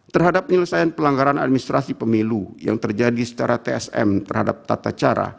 terhadap penyelesaian pelanggaran administrasi pemilu yang terjadi secara tsm terhadap tata cara